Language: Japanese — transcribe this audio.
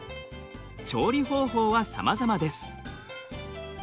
調理方法はさまざまです。